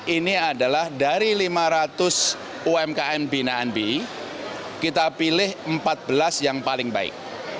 ini adalah dari lima ratus umkm binaan bi kita pilih empat belas yang paling baik